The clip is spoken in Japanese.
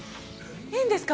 いいんですか？